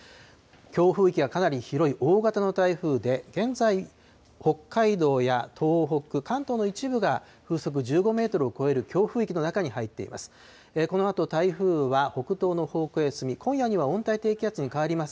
強風域がかなり広い、大型の台風で、現在、北海道や東北、関東の一部が、風速１５メートルを超える強風域の中に入っています。